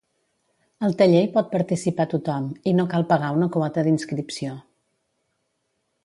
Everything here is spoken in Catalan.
Al taller hi pot participar tothom, i no cal pagar una quota d'inscripció.